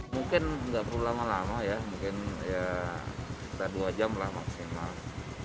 mungkin nggak perlu lama lama ya mungkin ya sekitar dua jam lah maksimal